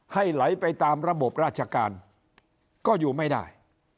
ไหลไปตามระบบราชการก็อยู่ไม่ได้